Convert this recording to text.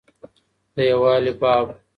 د يووالي باب.